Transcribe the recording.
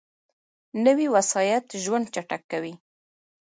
نوې وسایط ژوند چټک کوي